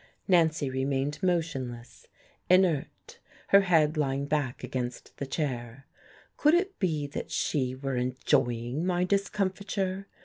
Nancy remained motionless, inert, her head lying back against the chair. Could it be that she were enjoying my discomfiture?